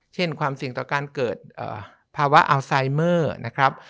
ความเสี่ยงต่อการเกิดภาวะอัลไซเมอร์นะครับ